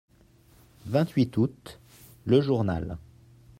vingt-huit août., Le Journal.